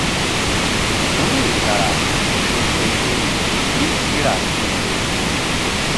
Wu̧yri kara ke ten niri ke ɓil kira pi.